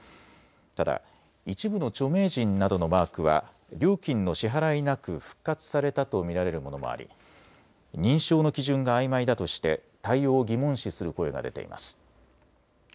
ただ一部の著名人などのマークは料金の支払いなく復活されたと見られるものもあり認証の基準があいまいだとして対応を疑問視する声が出ています。